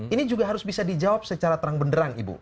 ini juga harus bisa dijawab secara terang benderang ibu